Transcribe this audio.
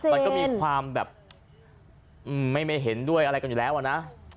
มันก็มีความแบบไม่เห็นด้วยอะไรกันอยู่แล้วอะนะ